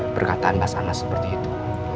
perkataan basarnas seperti itu